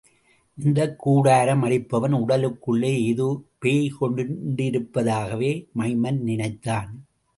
இந்தக் கூடாரம் அடிப்பவன் உடலுக்குள்ளே ஏதோ பேய் குடிகொண்டிருப்பதாகவே மைமன் நினைத்தான்.